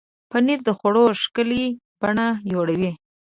پنېر د خوړو ښکلې بڼه جوړوي.